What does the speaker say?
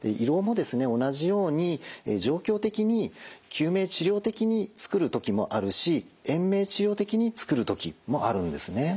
同じように状況的に救命治療的に作る時もあるし延命治療的に作る時もあるんですね。